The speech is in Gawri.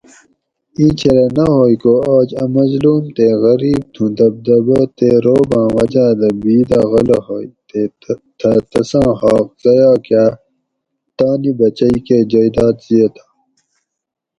اِیں چھلہ نہ ھوئ کو آج اَ مظلوم تے غریب تھُوں دبدبہ تے رعباۤں وجاۤ دہ بِھیدہ غلہ ھوئی تے تھہ تساں حاق ضائع کاۤ تانی بچئی کہ جائیداد زیتائی